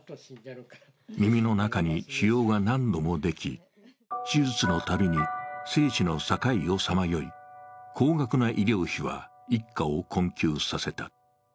耳の中に腫瘍が何度もでき、手術のたびに高額な医療費は一家を困窮させた。